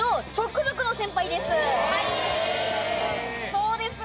そうです。